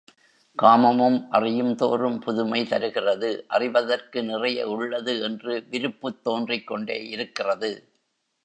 காமமும் அறியும்தோறும் புதுமை தருகிறது அறிவதற்கு நிறைய உள்ளது என்று விருப்புத் தோன்றிக்கொண்டே இருக்கிறது.